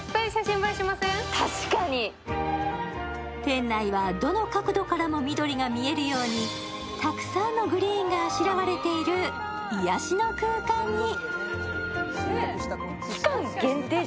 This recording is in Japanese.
店内はどの角度からも緑が見えるように、たくさんのグリーンがあしらわれている癒しの空間に。